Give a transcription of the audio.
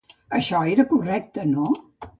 Això era correcte, no?